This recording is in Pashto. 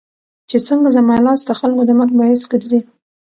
چې څنګه زما لاس دخلکو د مرګ باعث ګرځي